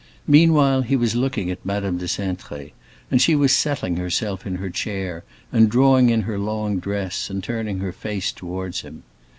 Meanwhile he was looking at Madame de Cintré, and she was settling herself in her chair and drawing in her long dress and turning her face towards him.